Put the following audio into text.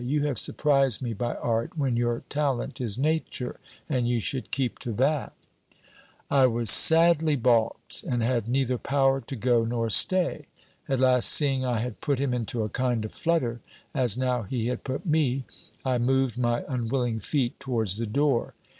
You have surprised me by art, when your talent is nature, and you should keep to that!" I was sadly baulked, and had neither power to go nor stay! At last, seeing I had put him into a kind of flutter, as now he had put me, I moved my unwilling feet towards the door.